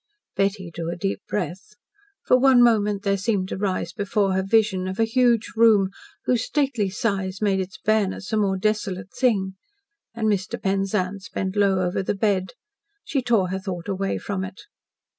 Betty drew a deep breath. For one moment there seemed to rise before her vision of a huge room, whose stately size made its bareness a more desolate thing. And Mr. Penzance bent low over the bed. She tore her thought away from it.